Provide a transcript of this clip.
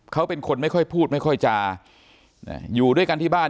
เขาเป็นคนไม่ค่อยพูดไม่ค่อยจาอยู่ด้วยกันที่บ้าน